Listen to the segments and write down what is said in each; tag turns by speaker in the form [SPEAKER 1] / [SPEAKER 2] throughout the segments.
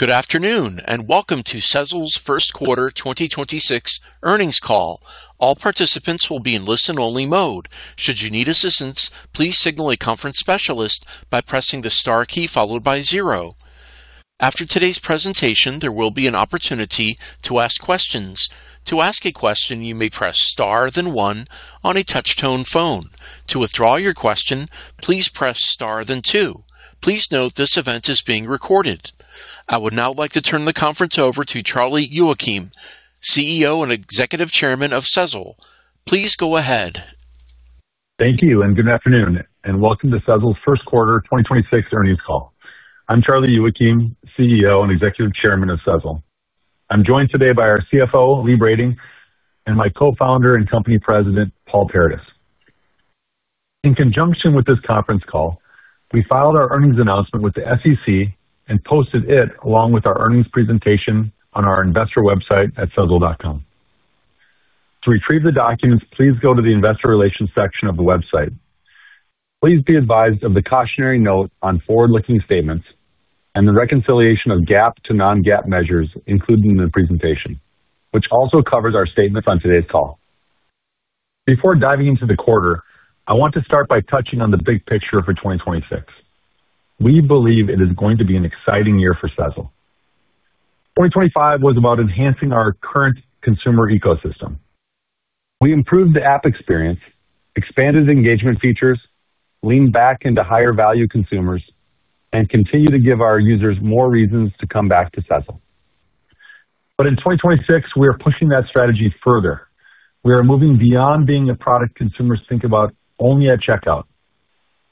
[SPEAKER 1] Good afternoon, and welcome to Sezzle's First Quarter 2026 Earnings Call. All participants will be in listen-only mode. Should you need assistance, please signal a conference specialist by pressing the star key followed by zero. After today's presentation, there will be an opportunity to ask questions. To ask a question, you may press star then one on a touch-tone phone. To withdraw your question, please press star then two. Please note this event is being recorded. I would now like to turn the conference over to Charlie Youakim, CEO and Executive Chairman of Sezzle. Please go ahead.
[SPEAKER 2] Thank you, good afternoon, and welcome to Sezzle's first quarter 2026 earnings call. I'm Charlie Youakim, CEO and Executive Chairman of Sezzle. I'm joined today by our CFO, Lee Brading, and my Co-Founder and company President, Paul Paradis. In conjunction with this conference call, we filed our earnings announcement with the SEC and posted it along with our earnings presentation on our investor website at sezzle.com. To retrieve the documents, please go to the investor relations section of the website. Please be advised of the cautionary note on forward-looking statements and the reconciliation of GAAP to non-GAAP measures included in the presentation, which also covers our statements on today's call. Before diving into the quarter, I want to start by touching on the big picture for 2026. We believe it is going to be an exciting year for Sezzle. 2025 was about enhancing our current consumer ecosystem. We improved the app experience, expanded engagement features, leaned back into higher-value consumers, and continue to give our users more reasons to come back to Sezzle. In 2026, we are pushing that strategy further. We are moving beyond being a product consumers think about only at checkout.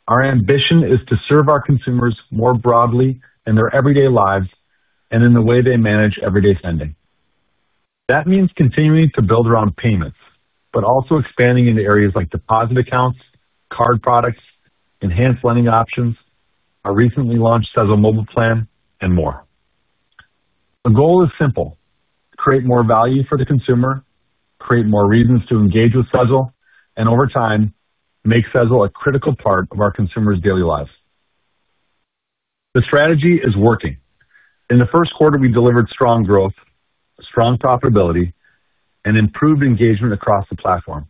[SPEAKER 2] Our ambition is to serve our consumers more broadly in their everyday lives and in the way they manage everyday spending. That means continuing to build around payments, but also expanding into areas like deposit accounts, card products, enhanced lending options, our recently launched Sezzle Mobile Plan, and more. The goal is simple. Create more value for the consumer, create more reasons to engage with Sezzle, and over time, make Sezzle a critical part of our consumers' daily lives. The strategy is working. In the first quarter, we delivered strong growth, strong profitability, and improved engagement across the platform.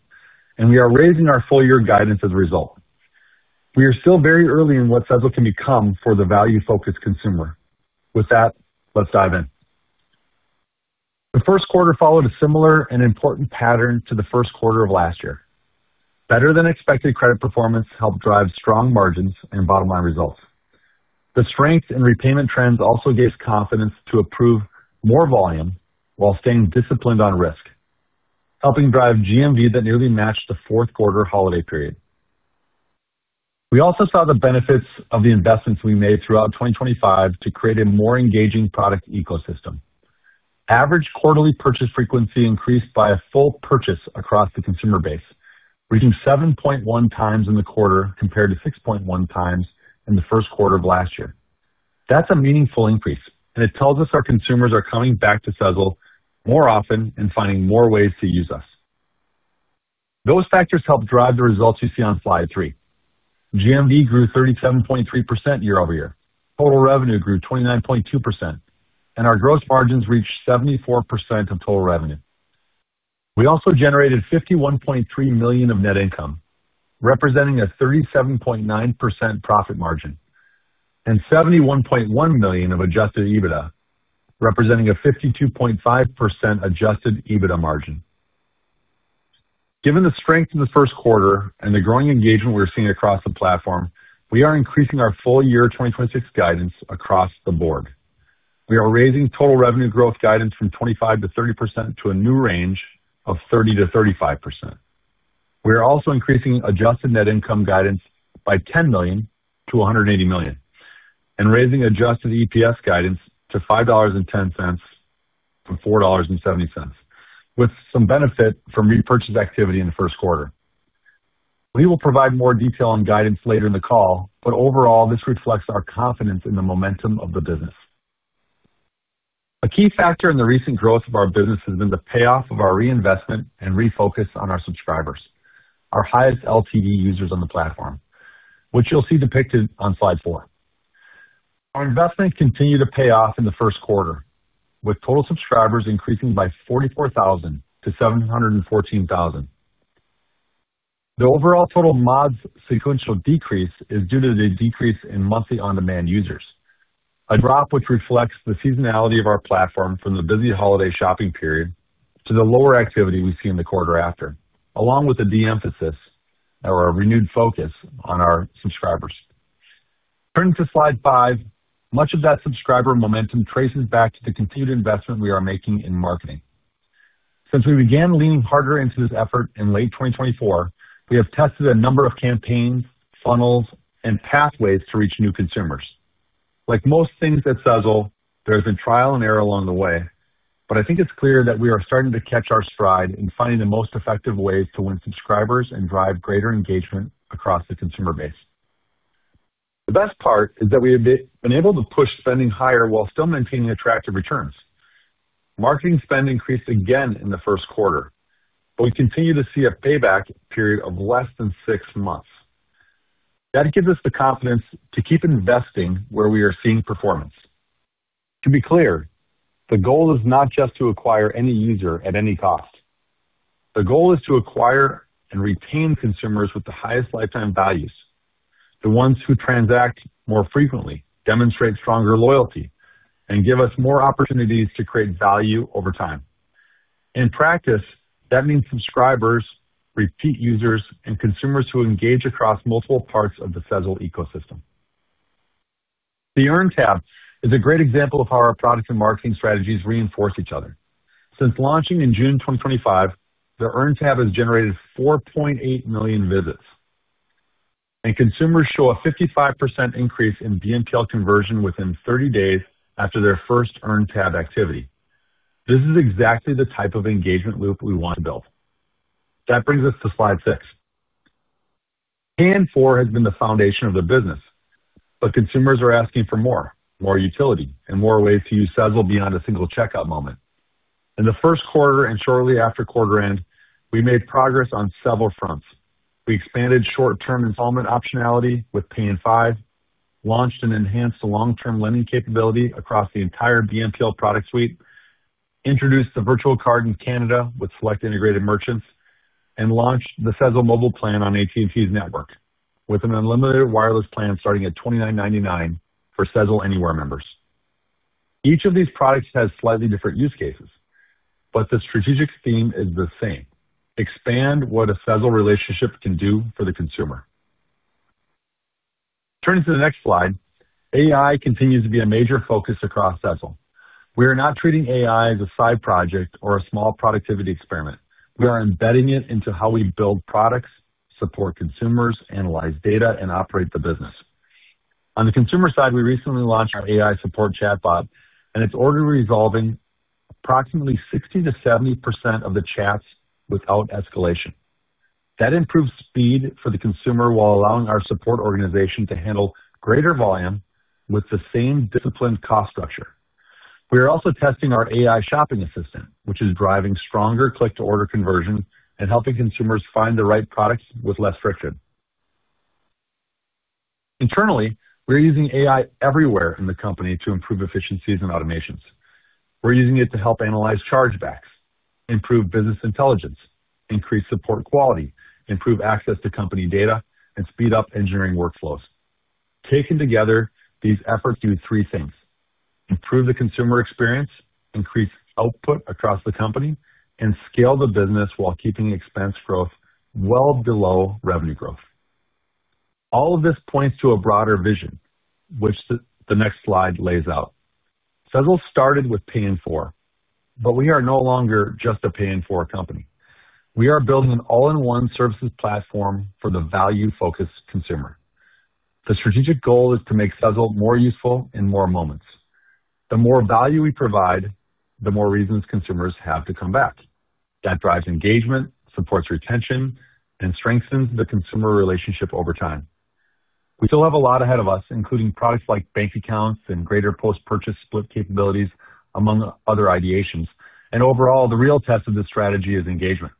[SPEAKER 2] We are raising our full-year guidance as a result. We are still very early in what Sezzle can become for the value-focused consumer. With that, let's dive in. The first quarter followed a similar and important pattern to the first quarter of last year. Better than expected credit performance helped drive strong margins and bottom-line results. The strength in repayment trends also gave confidence to approve more volume while staying disciplined on risk, helping drive GMV that nearly matched the fourth quarter holiday period. We also saw the benefits of the investments we made throughout 2025 to create a more engaging product ecosystem. Average quarterly purchase frequency increased by a full purchase across the consumer base, reaching 7.1x in the quarter compared to 6.1x in the first quarter of last year. That's a meaningful increase. It tells us our consumers are coming back to Sezzle more often and finding more ways to use us. Those factors helped drive the results you see on slide three. GMV grew 37.3% year-over-year. Total revenue grew 29.2%. Our gross margins reached 74% of total revenue. We also generated $51.3 million of net income, representing a 37.9% profit margin and $71.1 million of adjusted EBITDA, representing a 52.5% adjusted EBITDA margin. Given the strength of the first quarter and the growing engagement we're seeing across the platform, we are increasing our full year 2026 guidance across the board. We are raising total revenue growth guidance from 25%-30% to a new range of 30%-35%. We are also increasing adjusted net income guidance by $10 million-$180 million and raising adjusted EPS guidance to $5.10 from $4.70 with some benefit from repurchase activity in the first quarter. We will provide more detail on guidance later in the call, but overall, this reflects our confidence in the momentum of the business. A key factor in the recent growth of our business has been the payoff of our reinvestment and refocus on our subscribers, our highest LTV users on the platform, which you'll see depicted on slide four. Our investments continue to pay off in the first quarter, with total subscribers increasing by 44,000 to 714,000. The overall total mods sequential decrease is due to the decrease in monthly on-demand users. A drop which reflects the seasonality of our platform from the busy holiday shopping period to the lower activity we see in the quarter after, along with the de-emphasis or a renewed focus on our subscribers. Turning to slide five. Much of that subscriber momentum traces back to the continued investment we are making in marketing. Since we began leaning harder into this effort in late 2024, we have tested a number of campaigns, funnels, and pathways to reach new consumers. Like most things at Sezzle, there's been trial and error along the way, but I think it's clear that we are starting to catch our stride in finding the most effective ways to win subscribers and drive greater engagement across the consumer base. The best part is that we have been able to push spending higher while still maintaining attractive returns. Marketing spends increased again in the first quarter, but we continue to see a payback period of less than six months. That gives us the confidence to keep investing where we are seeing performance. To be clear, the goal is not just to acquire any user at any cost. The goal is to acquire and retain consumers with the highest lifetime values, the ones who transact more frequently, demonstrate stronger loyalty, and give us more opportunities to create value over time. In practice, that means subscribers, repeat users, and consumers who engage across multiple parts of the Sezzle ecosystem. The Earn tab is a great example of how our product and marketing strategies reinforce each other. Since launching in June 2025, the Earn tab has generated 4.8 million visits. Consumers show a 55% increase in BNPL conversion within 30 days after their first Earn tab activity. This is exactly the type of engagement loop we want to build. That brings us to slide six. Pay in four has been the foundation of the business, but consumers are asking for more. More utility and more ways to use Sezzle beyond a single checkout moment. In the first quarter and shortly after quarter end, we made progress on several fronts. We expanded short-term installment optionality with Pay in five, launched an enhanced long-term lending capability across the entire BNPL product suite, introduced the virtual card in Canada with select integrated merchants, and launched the Sezzle Mobile plan on AT&T's network with an unlimited wireless plan starting at $29.99 for Sezzle Anywhere members. Each of these products has slightly different use cases, but the strategic theme is the same. Expand what a Sezzle relationship can do for the consumer. Turning to the next slide, AI continues to be a major focus across Sezzle. We are not treating AI as a side project or a small productivity experiment. We are embedding it into how we build products, support consumers, analyze data, and operate the business. On the consumer side, we recently launched our AI support chatbot, and it's already resolving approximately 60%-70% of the chats without escalation. That improves speed for the consumer while allowing our support organization to handle greater volume with the same disciplined cost structure. We are also testing our AI shopping assistant, which is driving stronger click-to-order conversion and helping consumers find the right products with less friction. Internally, we're using AI everywhere in the company to improve efficiencies and automations. We're using it to help analyze chargebacks, improve business intelligence, increase support quality, improve access to company data, and speed up engineering workflows. Taken together, these efforts do three things. Improve the consumer experience, increase output across the company, and scale the business while keeping expense growth well below revenue growth. All of this points to a broader vision, which the next slide lays out. Sezzle started with Pay in four, but we are no longer just a Pay in four company. We are building an all-in-one services platform for the value-focused consumer. The strategic goal is to make Sezzle more useful in more moments. The more value we provide, the more reasons consumers have to come back. That drives engagement, supports retention, and strengthens the consumer relationship over time. We still have a lot ahead of us, including products like bank accounts and greater post-purchase split capabilities, among other ideations. Overall, the real test of this strategy is engagement.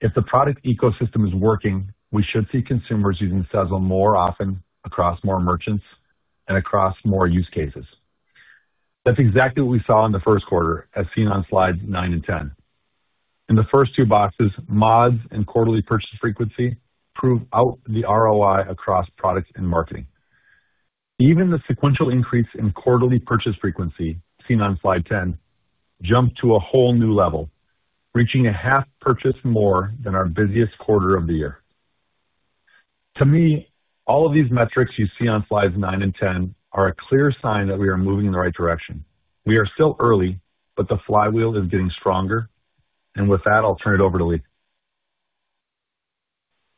[SPEAKER 2] If the product ecosystem is working, we should see consumers using Sezzle more often across more merchants and across more use cases. That's exactly what we saw in the first quarter, as seen on slides nine and 10. In the first two boxes, mods and quarterly purchase frequency prove out the ROI across products and marketing. Even the sequential increase in quarterly purchase frequency, seen on slide 10, jumped to a whole new level, reaching a half purchase more than our busiest quarter of the year. To me, all of these metrics you see on slides nine and 10 are a clear sign that we are moving in the right direction. We are still early, but the flywheel is getting stronger. With that, I'll turn it over to Lee.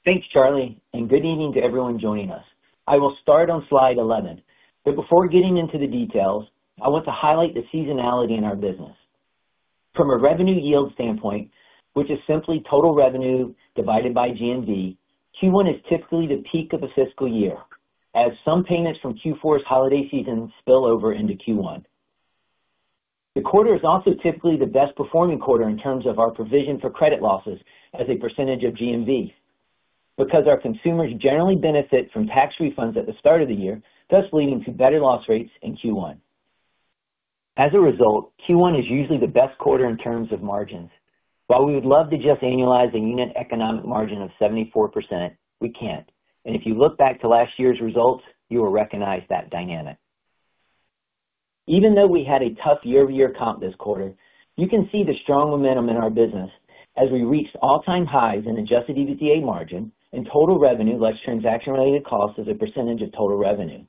[SPEAKER 3] Thanks, Charlie, and good evening to everyone joining us. I will start on slide 11. Before getting into the details, I want to highlight the seasonality in our business. From a revenue yield standpoint, which is simply total revenue divided by GMV, Q1 is typically the peak of a fiscal year, as some payments from Q4's holiday season spill over into Q1. The quarter is also typically the best performing quarter in terms of our provision for credit losses as a percentage of GMV. Because our consumers generally benefit from tax refunds at the start of the year, thus leading to better loss rates in Q1. As a result, Q1 is usually the best quarter in terms of margins. While we would love to just annualize a unit economic margin of 74%, we can't. If you look back to last year's results, you will recognize that dynamic. Even though we had a tough year-over-year comp this quarter, you can see the strong momentum in our business as we reached all-time highs in adjusted EBITDA margin and total revenue, less transaction-related costs as a % of total revenue.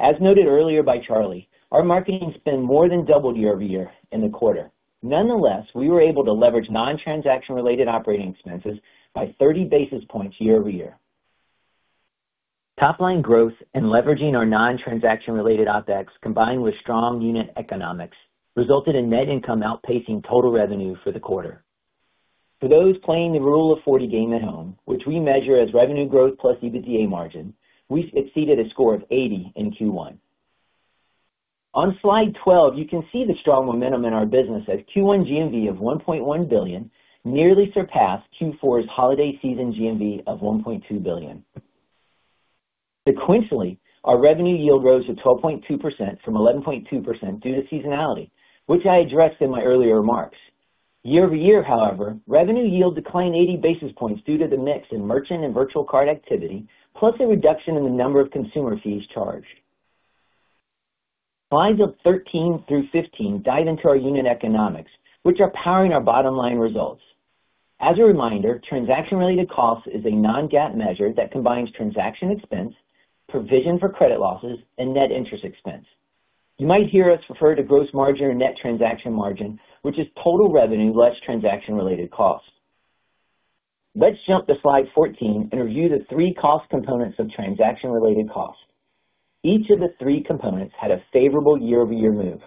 [SPEAKER 3] As noted earlier by Charlie, our marketing spends more than doubled year-over-year in the quarter. Nonetheless, we were able to leverage non-transaction-related operating expenses by 30 basis points year-over-year. Top-line growth and leveraging our non-transaction-related OpEx combined with strong unit economics resulted in net income outpacing total revenue for the quarter. For those playing the rule of 40 game at home, which we measure as revenue growth plus EBITDA margin, we exceeded a score of 80 in Q1. On slide 12, you can see the strong momentum in our business as Q1 GMV of $1.1 billion nearly surpassed Q4's holiday season GMV of $1.2 billion. Sequentially, our revenue yield rose to 12.2% from 11.2% due to seasonality, which I addressed in my earlier remarks. Year-over-year, however, revenue yield declined 80 basis points due to the mix in merchant and virtual card activity, plus a reduction in the number of consumer fees charged. Slides 13 through 15 dives into our unit economics, which are powering our bottom-line results. As a reminder, transaction-related costs is a non-GAAP measure that combines transaction expense, provision for credit losses, and net interest expense. You might hear us refer to gross margin or net transaction margin, which is total revenue, less transaction-related costs. Let's jump to slide 14 and review the three cost components of transaction-related costs. Each of the three components had a favorable year-over-year move.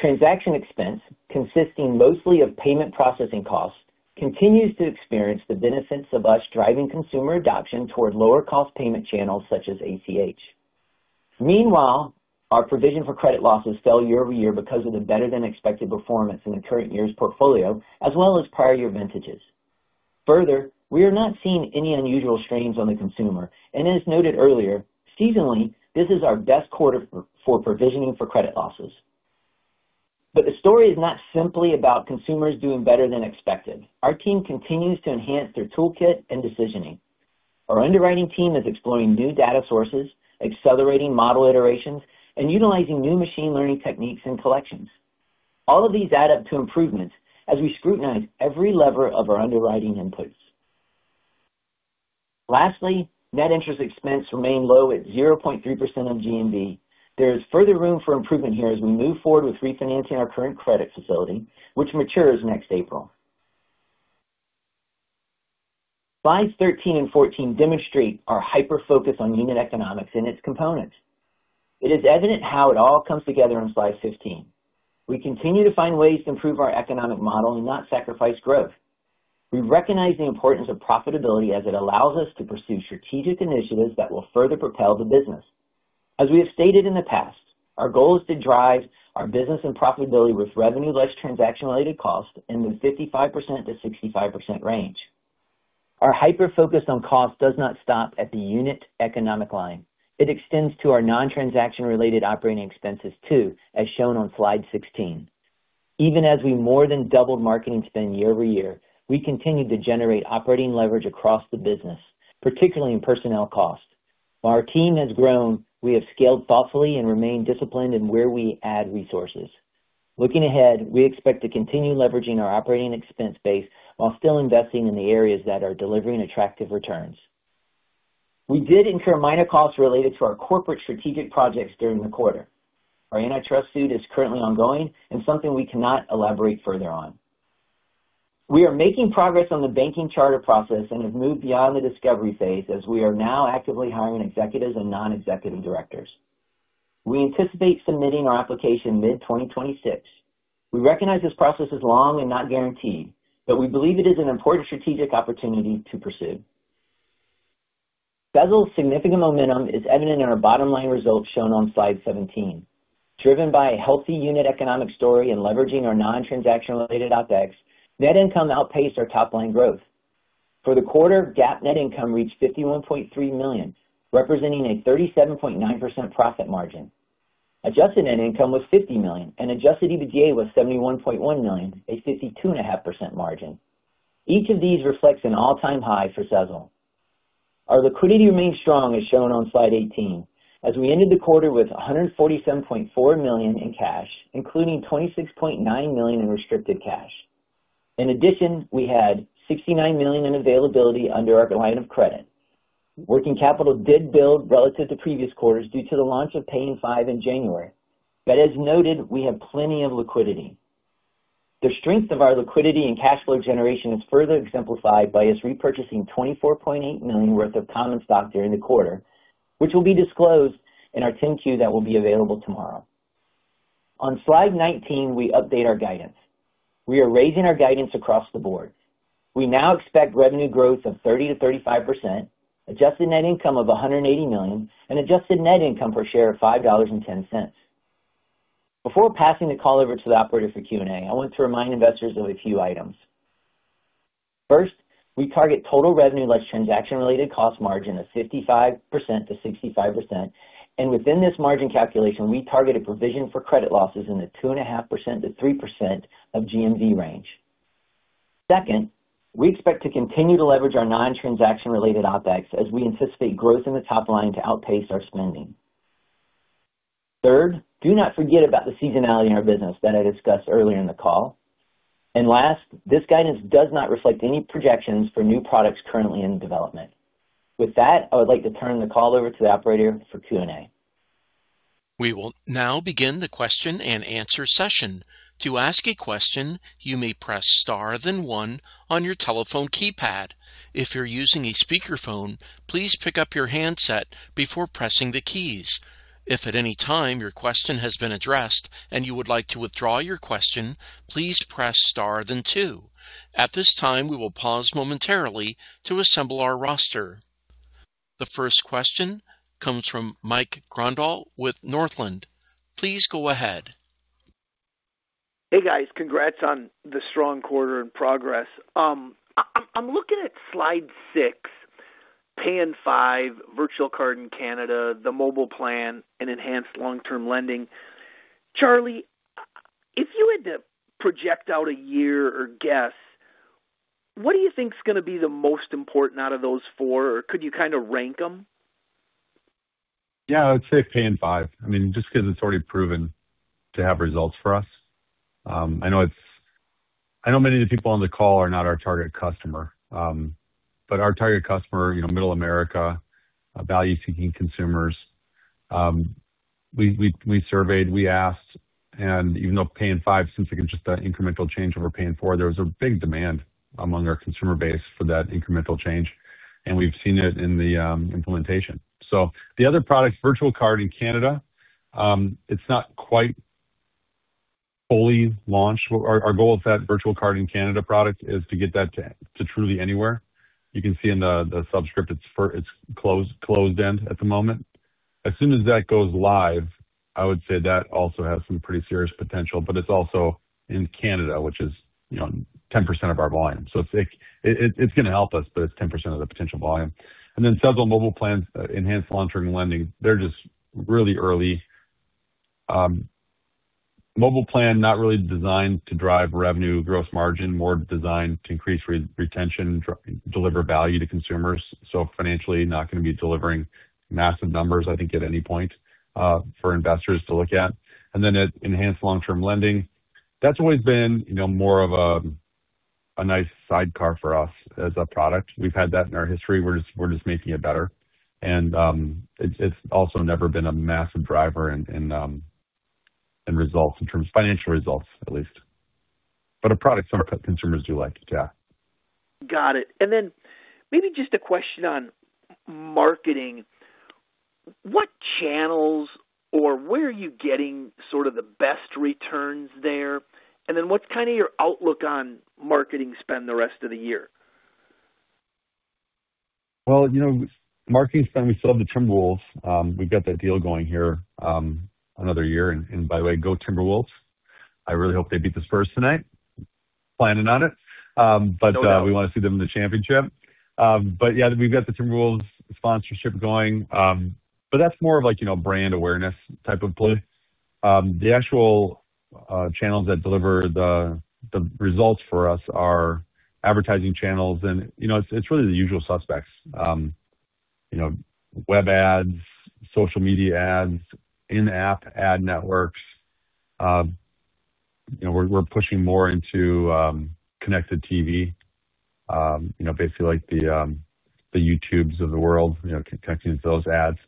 [SPEAKER 3] Transaction expense, consisting mostly of payment processing costs, continues to experience the benefits of us driving consumer adoption toward lower cost payment channels such as ACH. Meanwhile, our provision for credit losses fell year-over-year because of the better-than-expected performance in the current year's portfolio as well as prior year vintages. Further, we are not seeing any unusual strains on the consumer, and as noted earlier, seasonally, this is our best quarter for provisioning for credit losses. The story is not simply about consumers doing better than expected. Our team continues to enhance their toolkit and decisioning. Our underwriting team is exploring new data sources, accelerating model iterations, and utilizing new machine learning techniques and collections. All of these add up to improvements as we scrutinize every lever of our underwriting inputs. Lastly, net interest expense remained low at 0.3% of GMV. There is further room for improvement here as we move forward with refinancing our current credit facility, which matures next April. Slides 13 and 14 demonstrate our hyper-focus on unit economics and its components. It is evident how it all comes together on slide 15. We continue to find ways to improve our economic model and not sacrifice growth. We recognize the importance of profitability as it allows us to pursue strategic initiatives that will further propel the business. As we have stated in the past, our goal is to drive our business and profitability with revenue less transaction-related costs in the 55%-65% range. Our hyper-focus on cost does not stop at the unit economic line. It extends to our non-transaction-related operating expenses too, as shown on slide 16. Even as we more than doubled marketing spend year-over-year, we continued to generate operating leverage across the business, particularly in personnel costs. While our team has grown, we have scaled thoughtfully and remain disciplined in where we add resources. Looking ahead, we expect to continue leveraging our operating expense base while still investing in the areas that are delivering attractive returns. We did incur minor costs related to our corporate strategic projects during the quarter. Our antitrust suit is currently ongoing and something we cannot elaborate further on. We are making progress on the banking charter process and have moved beyond the discovery phase as we are now actively hiring executives and non-executive directors. We anticipate submitting our application mid-2026. We recognize this process is long and not guaranteed, but we believe it is an important strategic opportunity to pursue. Sezzle's significant momentum is evident in our bottom-line results shown on slide 17. Driven by a healthy unit economic story and leveraging our non-transaction related OpEx, net income outpaced our top line growth. For the quarter, GAAP net income reached $51.3 million, representing a 37.9% profit margin. Adjusted net income was $50 million and adjusted EBITDA was $71.1 million, a 52.5% margin. Each of these reflects an all-time high for Sezzle. Our liquidity remains strong as shown on slide 18 as we ended the quarter with $147.4 million in cash, including $26.9 million in restricted cash. In addition, we had $69 million in availability under our line of credit. Working capital did build relative to previous quarters due to the launch of Pay in five in January. As noted, we have plenty of liquidity. The strength of our liquidity and cash flow generation is further exemplified by us repurchasing $24.8 million worth of common stock during the quarter, which will be disclosed in our 10-Q that will be available tomorrow. On slide 19, we update our guidance. We are raising our guidance across the board. We now expect revenue growth of 30%-35%, adjusted net income of $180 million, and adjusted net income per share of $5.10. Before passing the call over to the operator for Q&A, I want to remind investors of a few items. First, we target total revenue less transaction-related cost margin of 55%-65%. Within this margin calculation, we target a provision for credit losses in the 2.5%-3% of GMV range. Second, we expect to continue to leverage our non-transaction related OpEx as we anticipate growth in the top line to outpace our spending. Third, do not forget about the seasonality in our business that I discussed earlier in the call. Last, this guidance does not reflect any projections for new products currently in development. With that, I would like to turn the call over to the operator for Q&A.
[SPEAKER 1] We will now begin the question and answer session. To ask a question, you may press star then one on your telephone keypad. If you're using a speakerphone, please pick up your handset before pressing the keys. If at any time your question has been addressed and you would like to withdraw your question, please press star then two. At this time, we will pause momentarily to assemble our roster. The first question comes from Mike Grondahl with Northland. Please go ahead.
[SPEAKER 4] Hey, guys. Congrats on the strong quarter in progress. I'm looking at slide six, Pay in five, virtual card in Canada, Sezzle Mobile and enhanced long-term lending. Charlie, if you had to project out a year or guess, what do you think is going to be the most important out of those four? Or could you kind of rank them?
[SPEAKER 2] Yeah, I would say Pay in five. I mean, just because it's already proven to have results for us. I know many of the people on the call are not our target customer, but our target customer, you know, middle America, value-seeking consumers, we surveyed, we asked, even though Pay in five seems like it's just an incremental change over Pay in four, there was a big demand among our consumer base for that incremental change, and we've seen it in the implementation. The other product, virtual card in Canada, it's not quite fully launched. Our goal with that virtual card in Canada product is to get that to truly anywhere. You can see in the subscript it's closed-end at the moment. As soon as that goes live, I would say that also has some pretty serious potential, but it's also in Canada, which is, you know, 10% of our volume. It's going to help us, but it's 10% of the potential volume. Sezzle Mobile plans, enhanced long-term lending, they're just really early. Sezzle Mobile plan, not really designed to drive revenue, gross margin, more designed to increase retention, deliver value to consumers. Financially not going to be delivering massive numbers, I think, at any point, for investors to look at. Enhanced long-term lending, that's always been, you know, more of a nice sidecar for us as a product. We've had that in our history. We're just making it better. It's also never been a massive driver in results in terms of financial results, at least. A product some of our consumers do like. Yeah.
[SPEAKER 4] Got it. Maybe just a question on marketing. What channels or where are you getting sort of the best returns there? What's kind of your outlook on marketing spend the rest of the year?
[SPEAKER 2] Well, you know, marketing spend, we still have the Timberwolves. We've got that deal going here, another year. By the way, go Timberwolves. I really hope they beat the Spurs tonight. Planning on it. We want to see them in the championship. Yeah, we've got the Timberwolves sponsorship going. That's more of like, you know, brand awareness type of play. The actual channels that deliver the results for us are advertising channels and, you know, it's really the usual suspects. Web ads, social media ads, in-app ad networks. We're pushing more into connected TV, you know, basically like the YouTubes of the world, you know, connecting to those ads.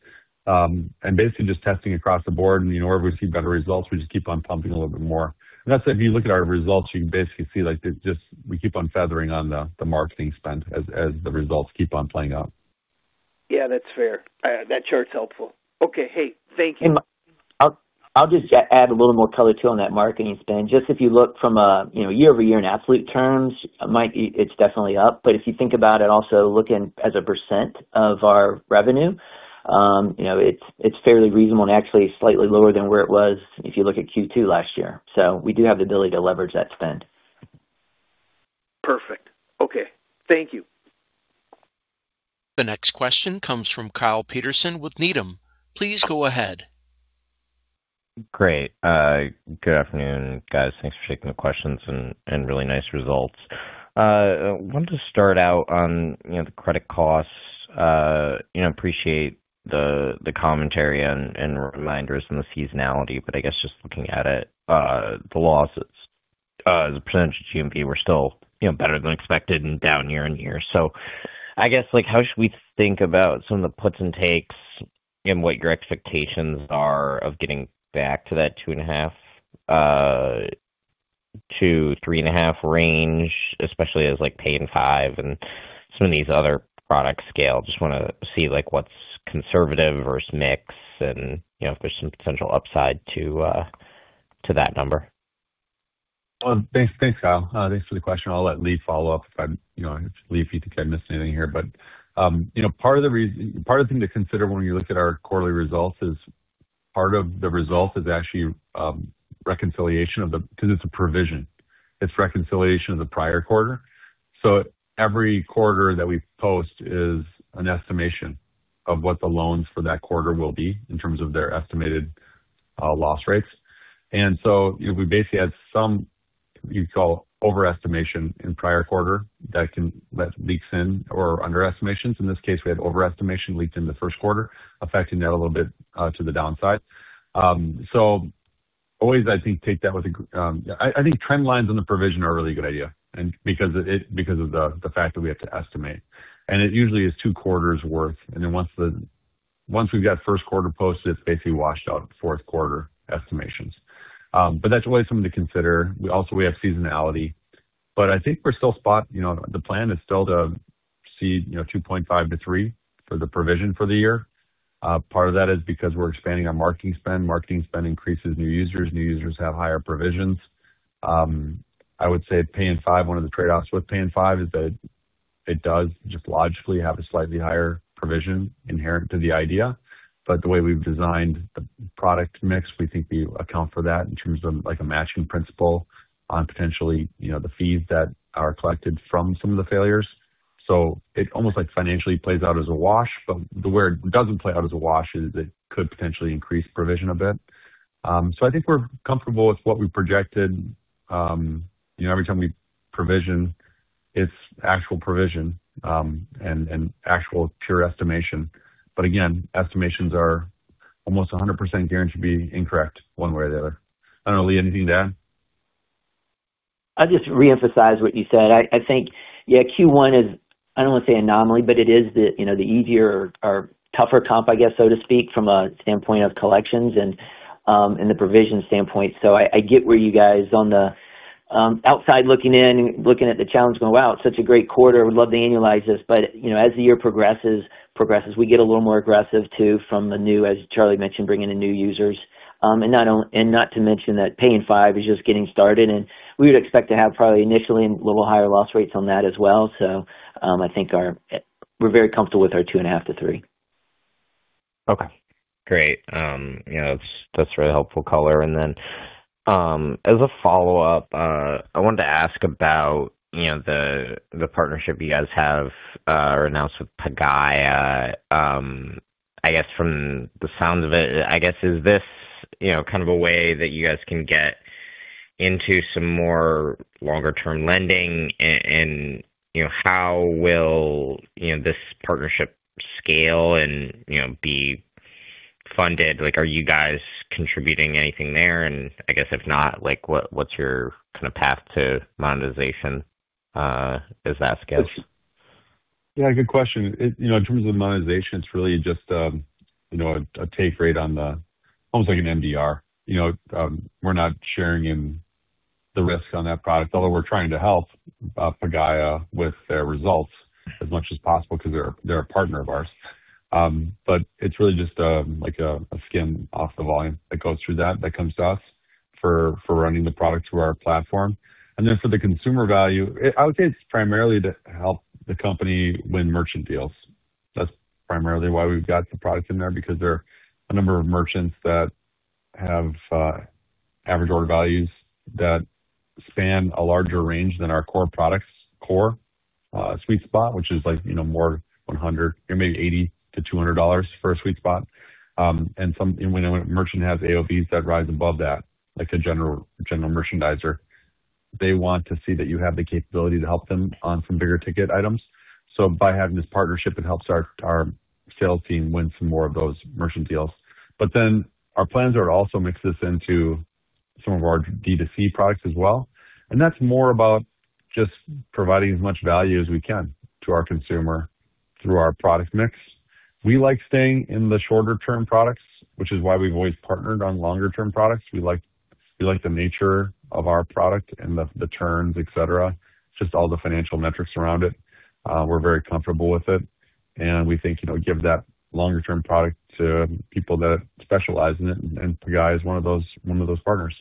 [SPEAKER 2] Basically just testing across the board and, you know, wherever we see better results, we just keep on pumping a little bit more. That's why if you look at our results, you can basically see like just we keep on feathering on the marketing spend as the results keep on playing out.
[SPEAKER 4] Yeah, that's fair. That chart's helpful. Okay. Hey, thank you.
[SPEAKER 3] Hey, Mike. I'll just add a little more color too on that marketing spend. If you look from a, you know, year-over-year in absolute terms, Mike, it's definitely up. If you think about it also looking as a percent of our revenue, you know, it's fairly reasonable and actually slightly lower than where it was if you look at Q2 last year. We do have the ability to leverage that spend.
[SPEAKER 4] Perfect. Okay. Thank you.
[SPEAKER 1] The next question comes from Kyle Peterson with Needham. Please go ahead.
[SPEAKER 5] Great. Good afternoon, guys. Thanks for taking the questions and really nice results. I want to start out on, you know, the credit costs. You know, appreciate the commentary and reminders and the seasonality, but I guess just looking at it, the losses, the percent of GMV were still, you know, better than expected and down year-over-year. I guess, like, how should we think about some of the puts and takes and what your expectations are of getting back to that 2.5-3.5 range, especially as like Pay in five and some of these other product's scale? Just want to see like what's conservative versus mix and, you know, if there's some potential upside to that number.
[SPEAKER 2] Thanks. Thanks, Kyle. Thanks for the question. I'll let Lee follow up if I'm, you know Lee, if you think I missed anything here. You know, part of the part of the thing to consider when we look at our quarterly results is part of the result is actually reconciliation of the because it's a provision, it's reconciliation of the prior quarter. Every quarter that we post is an estimation of what the loans for that quarter will be in terms of their estimated loss rates. You know, we basically had some, you'd call overestimation in prior quarter that that leaks in or underestimations. In this case, we had overestimation leaked in the first quarter, affecting that a little bit to the downside. Always, I think, trend lines in the provision are a really good idea and because of the fact that we have to estimate. It usually is two quarters worth. Once we've got first quarter posted, it's basically washed out fourth quarter estimations. That's always something to consider. We have seasonality. I think we're still spot You know, the plan is still to see, you know, 2.5%-3% for the provision for the year. Part of that is because we're expanding our marketing spend. Marketing spend increases new users. New users have higher provisions. I would say Pay in five, one of the trade-offs with Pay in five is that it does just logically have a slightly higher provision inherent to the idea. The way we've designed the product mix, we think we account for that in terms of like a matching principle on potentially, you know, the fees that are collected from some of the failures. It almost like financially plays out as a wash. Where it doesn't play out as a wash is it could potentially increase provision a bit. I think we're comfortable with what we projected. You know, every time we provision, it's actual provision and actual pure estimation. Again, estimations are almost 100% guaranteed to be incorrect one way or the other. I don't know, Lee, anything to add?
[SPEAKER 3] I'll just reemphasize what you said. I think, yeah, Q1 is, I don't want to say anomaly, but it is, you know, the easier or tougher comp, I guess, so to speak, from a standpoint of collections and the provision standpoint. I get where you guys on the outside looking in, looking at the challenge going, "Wow, it's such a great quarter. Would love to annualize this." You know, as the year progresses, we get a little more aggressive too, from the new, as Charlie mentioned, bringing in new users. And not to mention that Pay in five is just getting started, we would expect to have probably initially a little higher loss rate on that as well. I think we're very comfortable with our 2.5%-3%.
[SPEAKER 5] Okay, great. you know, that's really helpful color. As a follow-up, I wanted to ask about, you know, the partnership you guys have or announced with Pagaya. I guess from the sound of it, I guess, is this, you know, kind of a way that you guys can get into some more longer-term lending and, you know, how will, you know, this partnership scale and, you know, be funded? Like, are you guys contributing anything there? I guess if not, like, what's your kind of path to monetization as that scales?
[SPEAKER 2] Yeah, good question. You know, in terms of monetization, it's really just, you know, a take rate on the almost like an MDR. You know, we're not sharing in the risk on that product, although we're trying to help Pagaya with their results as much as possible because they're a partner of ours. But it's really just a, like a skim off the volume that goes through that comes to us for running the product through our platform. Then for the consumer value, I would say it's primarily to help the company win merchant deals. That's primarily why we've got the product in there, because there are a number of merchants that have average order values that span a larger range than our core products core sweet spot, which is like, you know, more $100 or maybe $80-$200 for a sweet spot. And when a merchant has AOV that rise above that, like a general merchandiser, they want to see that you have the capability to help them on some bigger ticket items. By having this partnership, it helps our sales team win some more of those merchant deals. Our plans are to also mix this into some of our D2C products as well. That's more about just providing as much value as we can to our consumer through our product mix. We like staying in the shorter term products, which is why we've always partnered on longer term products. We like the nature of our product and the terms, et cetera. Just all the financial metrics around it. We're very comfortable with it, and we think, you know, give that longer term product to people that specialize in it, and Pagaya is one of those partners.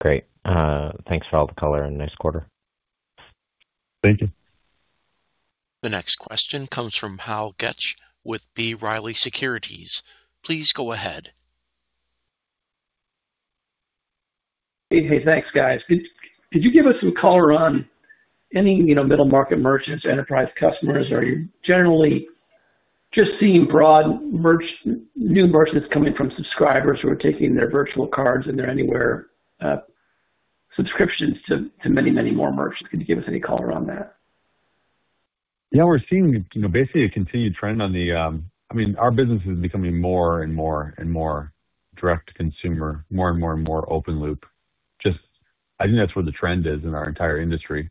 [SPEAKER 5] Great. Thanks for all the color and nice quarter.
[SPEAKER 2] Thank you.
[SPEAKER 1] The next question comes from Hal Goetsch with B. Riley Securities. Please go ahead.
[SPEAKER 6] Hey. Thanks, guys. Could you give us some color on any, you know, middle market merchants, enterprise customers? Are you generally just seeing broad new merchants coming from subscribers who are taking their virtual cards and their Anywhere subscriptions to many more merchants? Could you give us any color on that?
[SPEAKER 2] Yeah, we're seeing, you know, basically a continued trend on the. I mean, our business is becoming more and more direct to consumer, more and more open loop. I think that's where the trend is in our entire industry,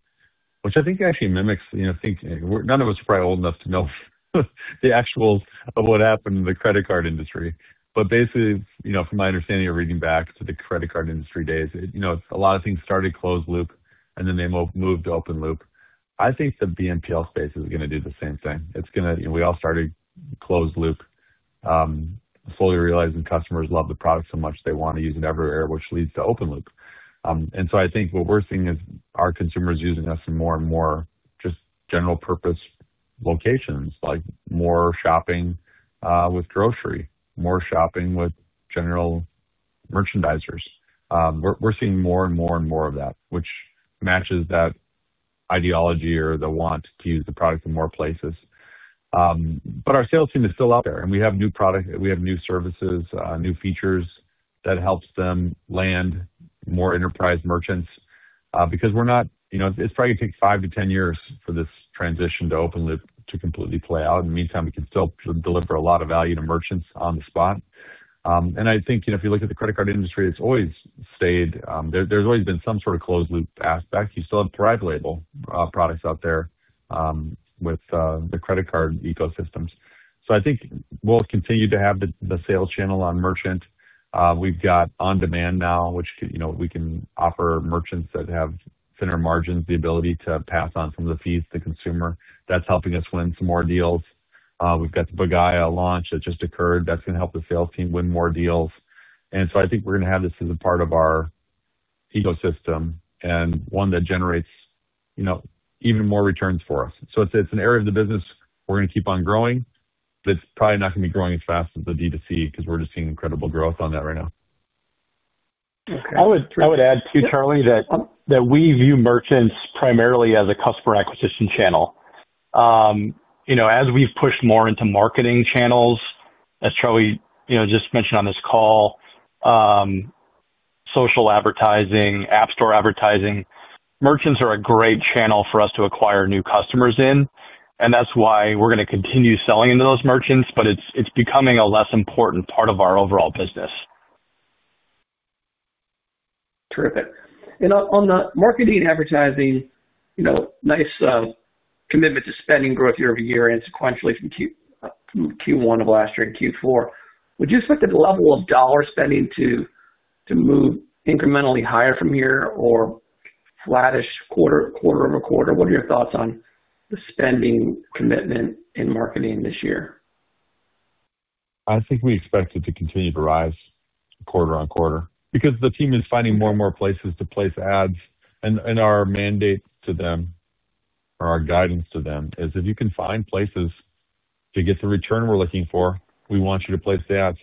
[SPEAKER 2] which I think actually mimics, you know, none of us are probably old enough to know the actual of what happened in the credit card industry. Basically, you know, from my understanding of reading back to the credit card industry days, you know, a lot of things started closed loop and then they moved to open loop. I think the BNPL space is gonna do the same thing. You know, we all started closed loop, slowly realizing customers love the product so much they want to use it everywhere, which leads to open loop. I think what we're seeing is our consumers using us in more and more just general purpose locations, like more shopping, with grocery, more shopping with general merchandisers. We're seeing more and more and more of that, which matches that ideology or the want to use the product in more places. Our sales team is still out there, and we have new product, we have new services, new features that helps them land more enterprise merchants, because it's probably gonna take five-10 years for this transition to open loop to completely play out. In the meantime, we can still deliver a lot of value to merchants on the spot. I think, you know, if you look at the credit card industry, it's always stayed, there's always been some sort of closed loop aspect. You still have private label products out there with the credit card ecosystems. I think we'll continue to have the sales channel on merchant. We've got on-demand now, which can, you know, we can offer merchants that have thinner margins the ability to pass on some of the fees to consumer. That's helping us win some more deals. We've got the Pagaya launch that just occurred. That's gonna help the sales team win more deals. I think we're gonna have this as a part of our ecosystem and one that generates, you know, even more returns for us. It's, it's an area of the business we're gonna keep on growing. It's probably not gonna be growing as fast as the D2C 'cause we're just seeing incredible growth on that right now.
[SPEAKER 6] Okay.
[SPEAKER 7] I would add too, Charlie, that we view merchants primarily as a customer acquisition channel. You know, as we've pushed more into marketing channels, as Charlie, you know, just mentioned on this call, social advertising, app store advertising, merchants are a great channel for us to acquire new customers in, that's why we're gonna continue selling into those merchants, but it's becoming a less important part of our overall business.
[SPEAKER 6] Terrific. On the marketing and advertising, you know, nice commitment to spending growth year-over-year and sequentially from Q1 of last year to Q4. Would you expect the level of dollar spending to move incrementally higher from here or flattish quarter-over-quarter? What are your thoughts on the spending commitment in marketing this year?
[SPEAKER 2] I think we expect it to continue to rise quarter on quarter because the team is finding more and more places to place ads. Our mandate to them or our guidance to them is, if you can find places to get the return we're looking for, we want you to place the ads.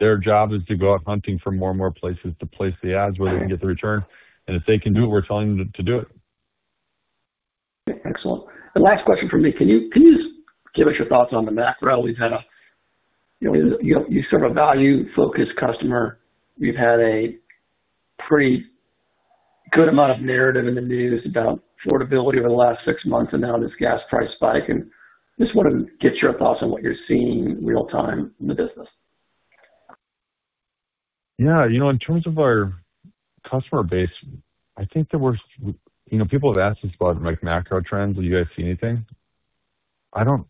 [SPEAKER 2] Their job is to go out hunting for more and more places to place the ads where they can get the return. If they can do it, we're telling them to do it.
[SPEAKER 6] Excellent. The last question from me. Can you just give us your thoughts on the macro? You know, you serve a value-focused customer. You've had a pretty good amount of narrative in the news about affordability over the last six months and now this gas price spike. Just wanna get your thoughts on what you're seeing real time in the business.
[SPEAKER 2] Yeah. You know, in terms of our customer base, You know, people have asked us about like macro trends. Do you guys see anything? I don't.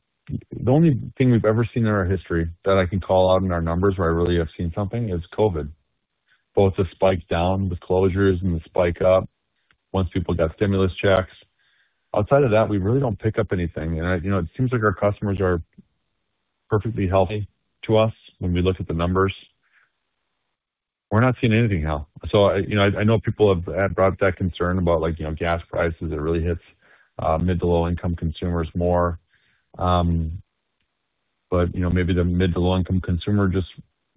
[SPEAKER 2] The only thing we've ever seen in our history that I can call out in our numbers where I really have seen something is COVID, both the spike down with closures and the spike up once people got stimulus checks. Outside of that, we really don't pick up anything. I, you know, it seems like our customers are perfectly healthy to us when we look at the numbers. We're not seeing anything now. I, you know, I know people have brought that concern about like, you know, gas prices that really hits mid- to low-income consumers more. You know, maybe the mid to low income consumer just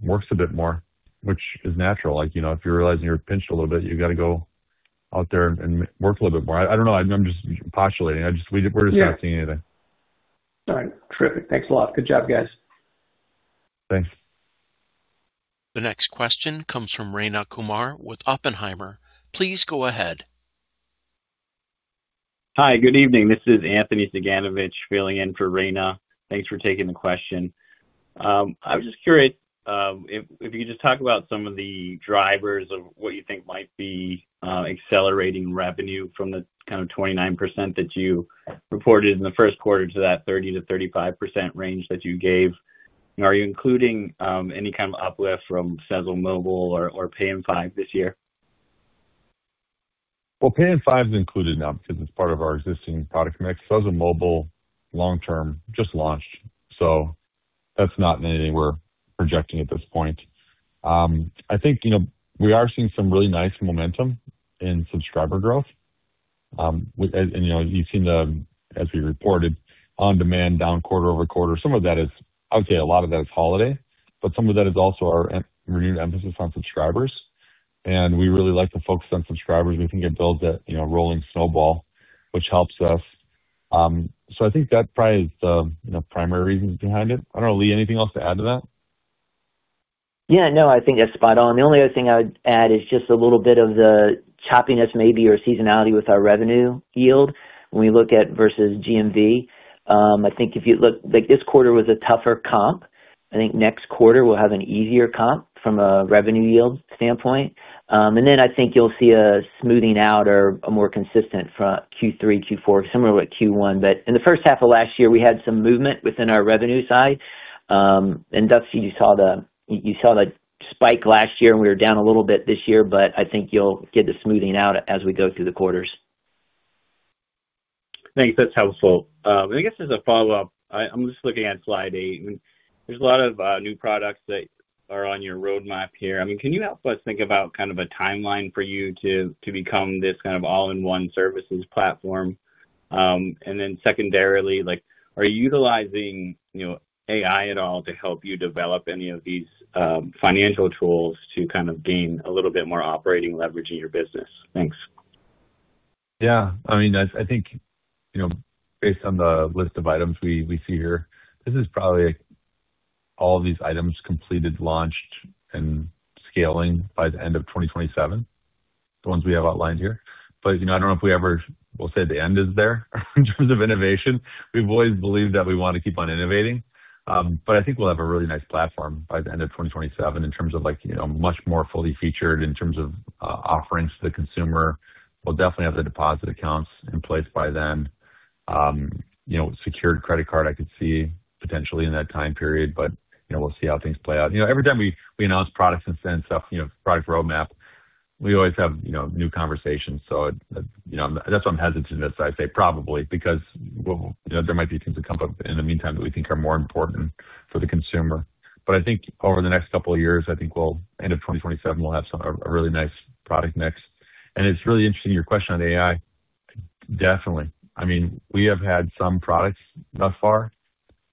[SPEAKER 2] works a bit more, which is natural. You know, if you realize you're pinched a little bit, you gotta go out there and work a little bit more. I don't know. I'm just postulating. We're just not seeing anything.
[SPEAKER 6] All right. Terrific. Thanks a lot. Good job, guys.
[SPEAKER 2] Thanks.
[SPEAKER 1] The next question comes from Rayna Kumar with Oppenheimer. Please go ahead.
[SPEAKER 8] Hi. Good evening. This is Anthony Cyganovich filling in for Rayna. Thanks for taking the question. I was just curious if you could just talk about some of the drivers of what you think might be accelerating revenue from the kind of 29% that you reported in the first quarter to that 30%-35% range that you gave. Are you including any kind of uplift from Sezzle Mobile or Pay in five this year?
[SPEAKER 2] Pay in five is included now because it's part of our existing product mix. Sezzle Mobile long-term just launched, that's not in anything we're projecting at this point. I think, you know, we are seeing some really nice momentum in subscriber growth. You know, you've seen the, as we reported on demand down quarter-over-quarter. Some of that is, a lot of that is holiday, some of that is also our renewed emphasis on subscribers, we really like to focus on subscribers. We think it builds a, you know, rolling snowball, which helps us. I think that probably is the, you know, primary reasons behind it. I don't know, Lee, anything else to add to that?
[SPEAKER 3] Yeah, no, I think that's spot on. The only other thing I would add is just a little bit of the choppiness maybe or seasonality with our revenue yield when we look at versus GMV. I think if you look, this quarter was a tougher comp. I think next quarter we'll have an easier comp from a revenue yield standpoint. I think you'll see a smoothing out or a more consistent from Q3, Q4, similar with Q1. In the first half of last year, we had some movement within our revenue side. And [Duxie], you saw the spike last year, and we were down a little bit this year, but I think you'll get the smoothing out as we go through the quarters.
[SPEAKER 8] Thanks. That's helpful. I guess as a follow-up, I'm just looking at slide eight, and there's a lot of new products that are on your roadmap here. I mean, can you help us think about kind of a timeline for you to become this kind of all-in-one services platform? Secondarily, like are you utilizing, you know, AI at all to help you develop any of these financial tools to kind of gain a little bit more operating leverage in your business? Thanks.
[SPEAKER 2] I think, you know, based on the list of items we see here, this is probably all of these items completed, launched, and scaling by the end of 2027, the ones we have outlined here. You know, I don't know if we ever will say the end is there in terms of innovation. We've always believed that we wanna keep on innovating. I think we'll have a really nice platform by the end of 2027 in terms of like, you know, much more fully featured in terms of offerings to the consumer. We'll definitely have the deposit accounts in place by then. You know, secured credit card I could see potentially in that time period, you know, we'll see how things play out. You know, every time we announce products and send stuff, you know, product roadmap. We always have, you know, new conversations. It, you know, that's why I'm hesitant as I say probably because, well, you know, there might be things that come up in the meantime that we think are more important for the consumer. I think over the next couple of years, I think we'll, end of 2027, we'll have some, a really nice product mix. It's really interesting, your question on AI. Definitely. I mean, we have had some products thus far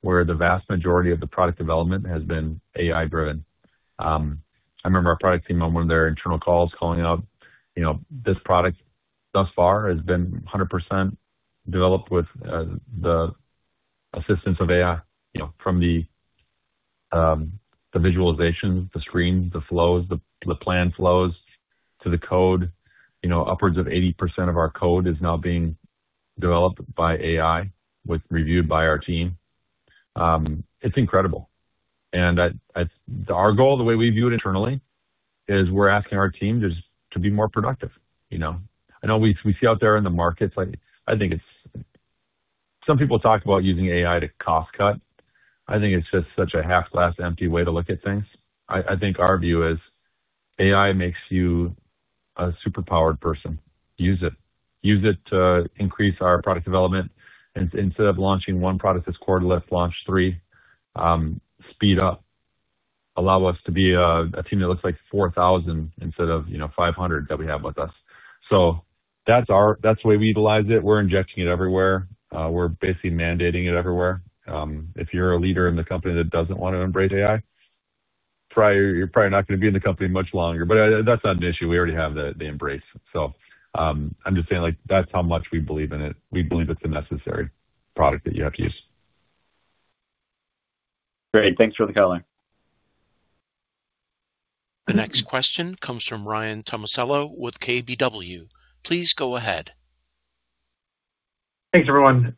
[SPEAKER 2] where the vast majority of the product development has been AI-driven. I remember our product team on one of their internal calls calling out, you know, this product thus far has been 100% developed with the assistance of AI, you know, from the visualization, the screens, the flows, the plan flows to the code. You know, upwards of 80% of our code is now being developed by AI with reviewed by our team. It's incredible. Our goal, the way we view it internally is we're asking our team just to be more productive, you know. I know we see out there in the markets, like, I think it's Some people talk about using AI to cost cut. I think it's just such a half-glass-empty way to look at things. I think our view is AI makes you a super-powered person. Use it. Use it to increase our product development. Instead of launching one product that's [core to lift], launch three. Speed up. Allow us to be a team that looks like 4,000 instead of, you know, 500 that we have with us. That's the way we utilize it. We're injecting it everywhere. We're basically mandating it everywhere. If you're a leader in the company that doesn't want to embrace AI, you're probably not gonna be in the company much longer. That's not an issue. We already have the embrace. I'm just saying, like, that's how much we believe in it. We believe it's a necessary product that you have to use.
[SPEAKER 8] Great. Thanks for the color.
[SPEAKER 1] The next question comes from Ryan Tomasello with KBW. Please go ahead.
[SPEAKER 9] Thanks, everyone.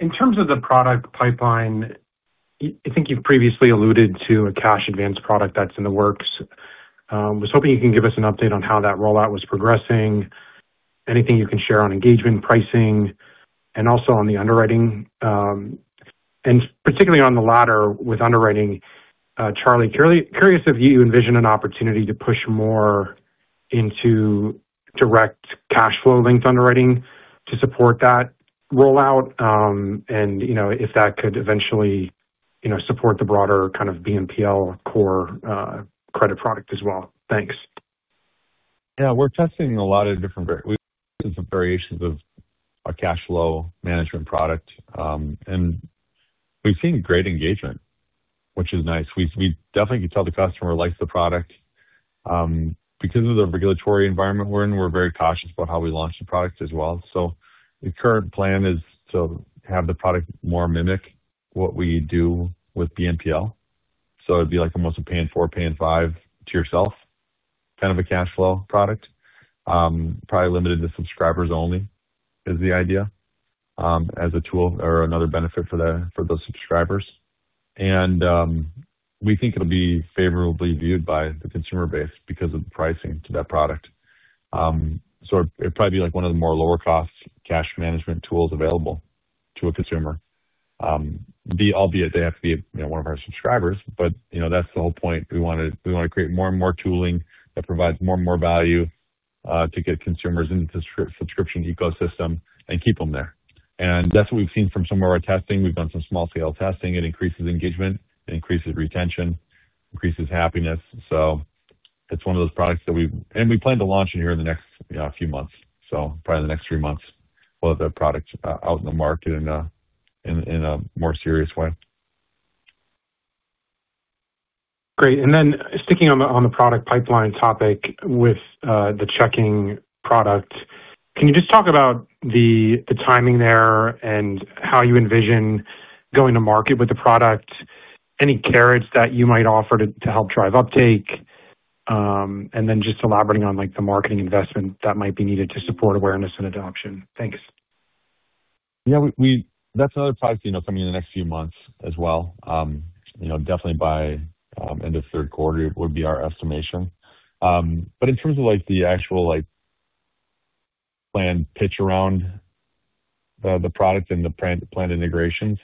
[SPEAKER 9] In terms of the product pipeline, I think you've previously alluded to a cash advance product that's in the works. I was hoping you can give us an update on how that rollout was progressing. Anything you can share on engagement pricing and also on the underwriting. Particularly on the latter with underwriting, Charlie, curious if you envision an opportunity to push more into direct cash flow linked underwriting to support that rollout. You know, if that could eventually, you know, support the broader kind of BNPL core credit product as well. Thanks.
[SPEAKER 2] Yeah. We're testing a lot of different We've seen some variations of our cash flow management product. We've seen great engagement, which is nice. We definitely can tell the customer likes the product. Because of the regulatory environment we're in, we're very cautious about how we launch the product as well. The current plan is to have the product more mimic what we do with BNPL. It'd be like almost a Pay in four, Pay in five to yourself, kind of a cash flow product. Probably limited to subscribers only is the idea, as a tool or another benefit for those subscribers. We think it'll be favorably viewed by the consumer base because of the pricing to that product. It'd probably be like one of the more lower cost cash management tools available to a consumer. Albeit they have to be, you know, one of our subscribers, but, you know, that's the whole point. We wanna, we wanna create more and more tooling that provides more and more value to get consumers into subscription ecosystem and keep them there. That's what we've seen from some of our testing. We've done some small scale testing. It increases engagement, it increases retention, increases happiness. So, it's one of those products. We plan to launch in here in the next, yeah, few months. So probably in the next three months, we'll have that product out in the market in a more serious way.
[SPEAKER 9] Great. Sticking on the product pipeline topic with the checking product, can you just talk about the timing there and how you envision going to market with the product, any carrots that you might offer to help drive uptake, and then just elaborating on, like, the marketing investment that might be needed to support awareness and adoption. Thanks.
[SPEAKER 2] Yeah. We That's another product, you know, coming in the next few months as well. You know, definitely by end of third quarter would be our estimation. In terms of, like, the actual, like, plan pitch around the product and the plan, planned integrations,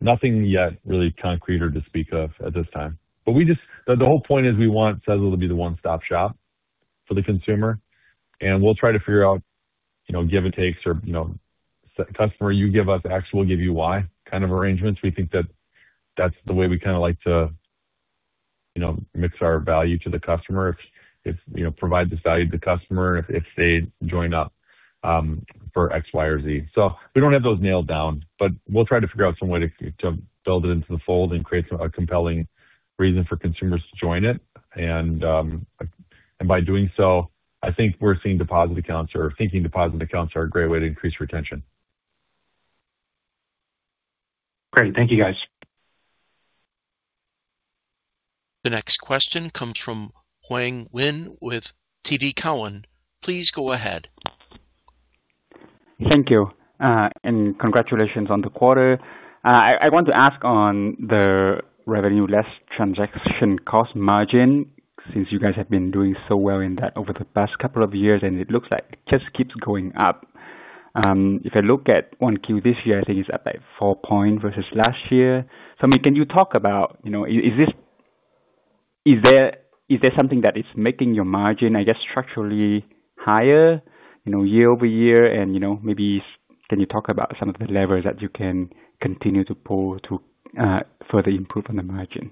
[SPEAKER 2] nothing yet really concrete or to speak of at this time. The whole point is we want Sezzle to be the one-stop shop for the consumer, and we'll try to figure out, you know, give and takes or, you know, customer you give us X, we'll give you Y kind of arrangements. We think that that's the way we kinda like to, you know, mix our value to the customer if, you know, provide this value to the customer and if they join up for X, Y, or Z. We don't have those nailed down, but we'll try to figure out some way to build it into the fold and create a compelling reason for consumers to join it. By doing so, I think we're seeing deposit accounts or thinking deposit accounts are a great way to increase retention.
[SPEAKER 9] Great. Thank you, guys.
[SPEAKER 1] The next question comes from Hoang Nguyen with TD Cowen. Please go ahead.
[SPEAKER 10] Thank you. Congratulations on the quarter. I want to ask on the revenue less transaction cost margin, since you guys have been doing so well in that over the past couple of years. It looks like it just keeps going up. If I look at 1Q this year, I think it's up by four points versus last year. I mean, can you talk about, you know, is there something that is making your margin, I guess, structurally higher, you know, year-over-year and, you know, maybe can you talk about some of the levers that you can continue to pull to further improve on the margin?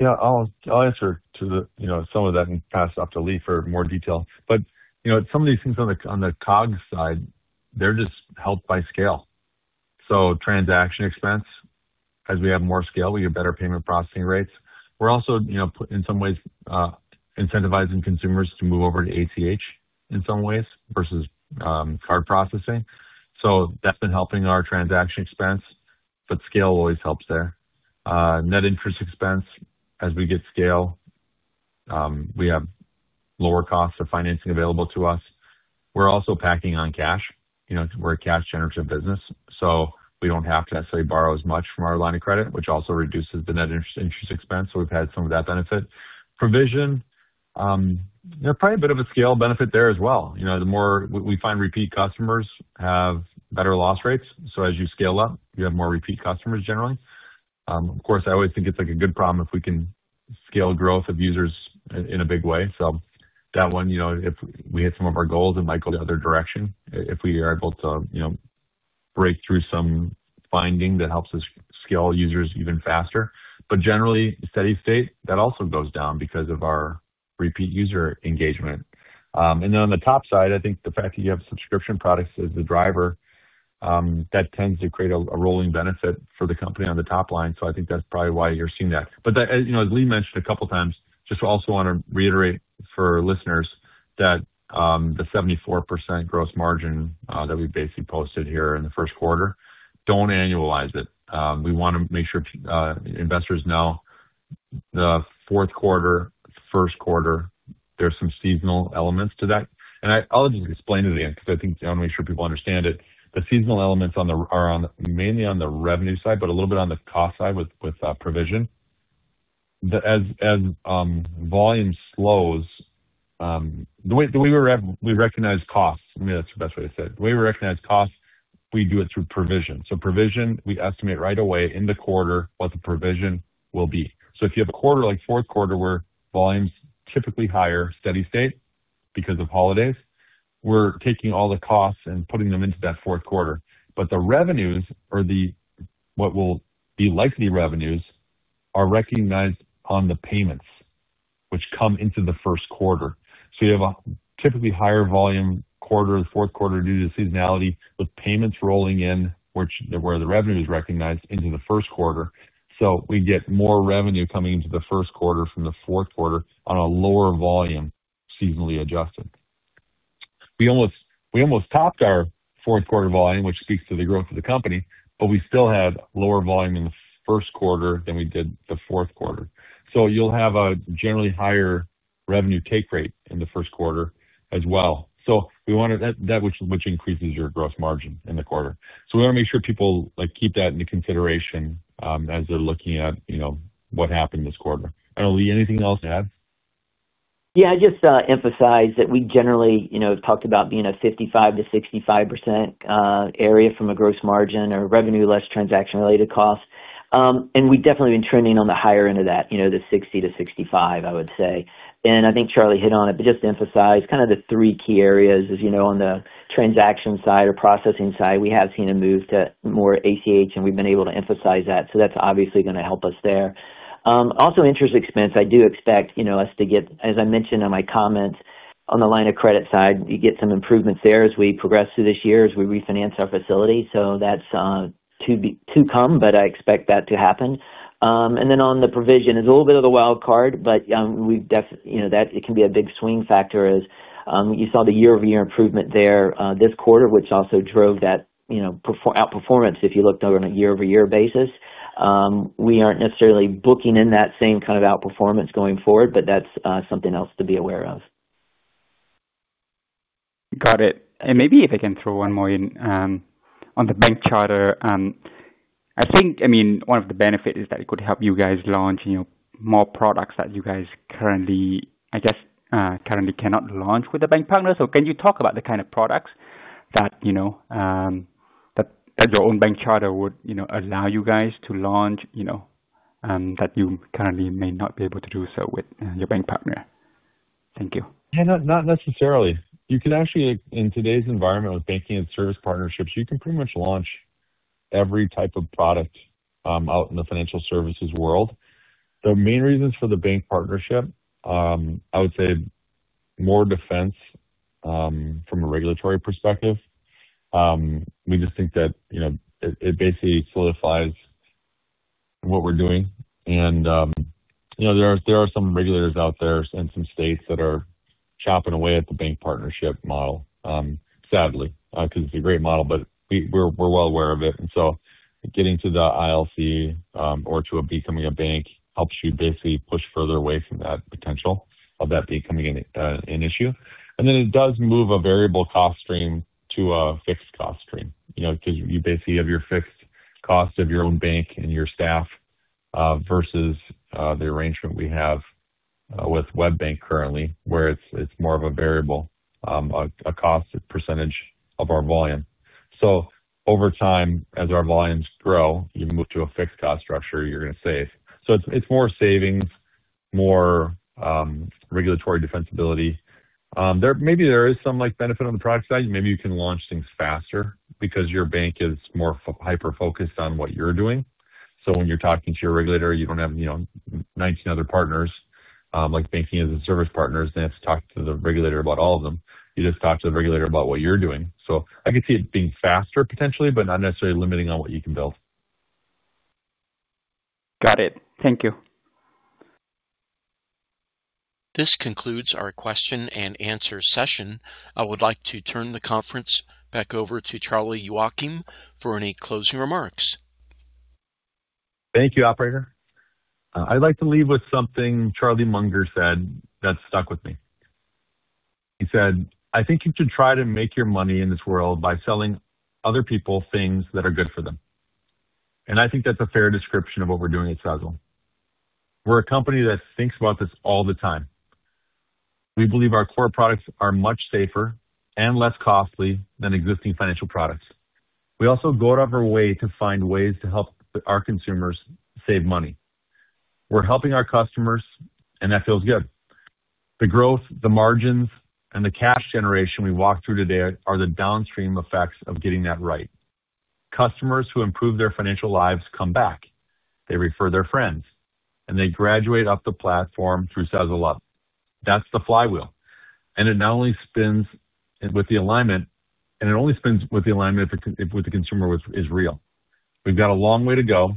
[SPEAKER 2] Yeah. I'll answer to the, you know, some of that and pass off to Lee for more detail. You know, some of these things on the COGS side, they're just helped by scale. Transaction expense, as we have more scale, we get better payment processing rates. We're also, you know, in some ways, incentivizing consumers to move over to ACH in some ways versus card processing. That's been helping our transaction expense, but scale always helps there. Net interest expense, as we get scale, we have lower costs of financing available to us. We're also packing on cash. You know, we're a cash-generative business, we don't have to necessarily borrow as much from our line of credit, which also reduces the net interest expense. We've had some of that benefit. Provision, you know, probably a bit of a scale benefit there as well. You know, we find repeat customers have better loss rates. As you scale up, you have more repeat customers generally. Of course, I always think it's like a good problem if we can scale growth of users in a big way. That one, you know, if we hit some of our goals, it might go the other direction if we are able to, you know, break through some finding that helps us scale users even faster. Generally, steady state, that also goes down because of our repeat user engagement. On the top side, I think the fact that you have subscription products as the driver, that tends to create a rolling benefit for the company on the top line. I think that's probably why you're seeing that. That, as, you know, as Lee mentioned a couple times, just also wanna reiterate for listeners that, the 74% gross margin that we basically posted here in the first quarter, don't annualize it. We wanna make sure investors know the fourth quarter, first quarter, there's some seasonal elements to that. I'll just explain it again because I think I wanna make sure people understand it. The seasonal elements are mainly on the revenue side, but a little bit on the cost side with provision. As volume slows, the way we recognize costs, maybe that's the best way to say it. The way we recognize costs, we do it through provision. Provision, we estimate right away in the quarter what the provision will be. If you have a quarter like fourth quarter where volume's typically higher, steady state because of holidays, we're taking all the costs and putting them into that fourth quarter. The revenues or the what will be likely revenues are recognized on the payments which come into the first quarter. You have a typically higher volume quarter, the fourth quarter due to seasonality, with payments rolling in, which they're where the revenue is recognized into the first quarter. We get more revenue coming into the first quarter from the fourth quarter on a lower volume, seasonally adjusted. We almost topped our fourth quarter volume, which speaks to the growth of the company, but we still had lower volume in the first quarter than we did the fourth quarter. You'll have a generally higher revenue take rate in the first quarter as well. We wanted that which increases your gross margin in the quarter. We wanna make sure people, like, keep that into consideration, as they're looking at, you know, what happened this quarter. I don't know, Lee, anything else to add?
[SPEAKER 3] Yeah. Just emphasize that we generally, you know, talked about being a 55%-65% area from a gross margin or revenue less transaction-related costs. We've definitely been trending on the higher end of that, you know, the 60%-65%, I would say. I think Charlie hit on it, but just to emphasize kinda the three key areas is, you know, on the transaction side or processing side, we have seen a move to more ACH, we've been able to emphasize that. That's obviously gonna help us there. Also interest expense, I do expect, you know, us to get, as I mentioned in my comments on the line of credit side, you get some improvements there as we progress through this year as we refinance our facility. That's to come, I expect that to happen. On the provision, it's a little bit of the wild card, you know that it can be a big swing factor as you saw the year-over-year improvement there this quarter, which also drove that, you know, outperformance if you looked on a year-over-year basis. We aren't necessarily booking in that same kind of outperformance going forward, that's something else to be aware of.
[SPEAKER 10] Got it. Maybe if I can throw one more in on the bank charter. I think, I mean, one of the benefits is that it could help you guys launch, you know, more products that you guys currently currently cannot launch with a bank partner. Can you talk about the kind of products that, you know, that your own bank charter would, you know, allow you guys to launch, you know, that you currently may not be able to do so with your bank partner? Thank you.
[SPEAKER 2] Yeah. Not necessarily. You could actually, in today's environment with banking and service partnerships, you can pretty much launch every type of product out in the financial services world. The main reasons for the bank partnership, I would say more defense from a regulatory perspective. We just think that, you know, it basically solidifies what we're doing. You know, there are some regulators out there in some states that are chopping away at the bank partnership model, sadly, 'cause it's a great model. We're well aware of it. Getting to the ILC or to becoming a bank helps you basically push further away from that potential of that becoming an issue. It does move a variable cost stream to a fixed cost stream. You know, cause you basically have your fixed cost of your own bank and your staff, versus the arrangement we have with WebBank currently, where it's more of a variable cost percentage of our volume. Over time, as our volumes grow, you can move to a fixed cost structure, you're gonna save. It's more savings, more regulatory defensibility. Maybe there is some, like, benefit on the product side. Maybe you can launch things faster because your bank is more hyper-focused on what you're doing. When you're talking to your regulator, you don't have, you know, 19 other partners, like banking-as-a-service partners, and they have to talk to the regulator about all of them. You just talk to the regulator about what you're doing. I could see it being faster potentially but not necessarily limiting on what you can build.
[SPEAKER 10] Got it. Thank you.
[SPEAKER 1] This concludes our question-and-answer session. I would like to turn the conference back over to Charlie Youakim for any closing remarks.
[SPEAKER 2] Thank you, operator. I'd like to leave with something Charlie Munger said that stuck with me. He said, "I think you should try to make your money in this world by selling other people things that are good for them." I think that's a fair description of what we're doing at Sezzle. We're a company that thinks about this all the time. We believe our core products are much safer and less costly than existing financial products. We also go out of our way to find ways to help our consumers save money. We're helping our customers, and that feels good. The growth, the margins, and the cash generation we walked through today are the downstream effects of getting that right. Customers who improve their financial lives come back. They refer their friends; they graduate up the platform through Sezzle Up. That's the flywheel. It not only spins with the alignment, and it only spins with the alignment if it with the consumer is real. We've got a long way to go,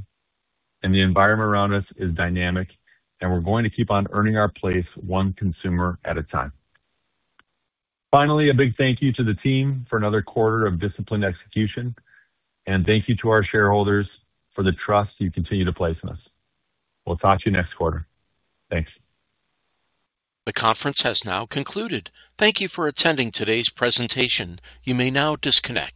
[SPEAKER 2] and the environment around us is dynamic, and we're going to keep on earning our place one consumer at a time. Finally, a big thank you to the team for another quarter of disciplined execution. Thank you to our shareholders for the trust you continue to place in us. We'll talk to you next quarter. Thanks.
[SPEAKER 1] The conference has now concluded. Thank you for attending today's presentation. You may now disconnect.